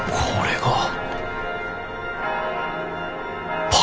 これは。